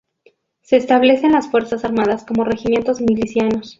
Se establecen las fuerzas armadas como regimientos milicianos.